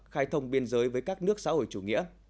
khai thông biên giới với các nước xã hội chủ nghĩa